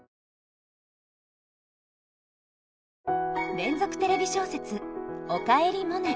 連続テレビ小説「おかえりモネ」。